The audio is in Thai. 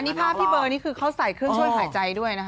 นี่ภาพพี่เบอร์นี่คือเขาใส่เครื่องช่วยหายใจด้วยนะคะ